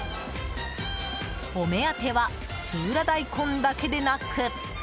お目当ては、三浦大根だけでなく。